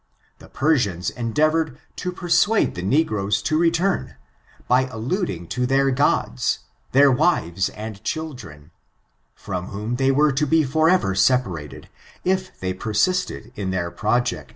The Persians endeavored to persuade the negroes to return, by alluding to their gods, their wives and children, from whom they were to be forever separated, if they persisted in their project ^^^^^^ f ^>^i^#i^»^<fc^ ' 384 ORiaiN, CHARAGT£.